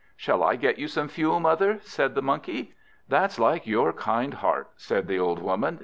"Shall I get you some fuel, mother?" said the Monkey. "That's like your kind heart," said the old Woman.